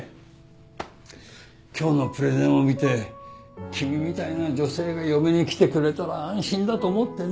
今日のプレゼンを見て君みたいな女性が嫁に来てくれたら安心だと思ってね。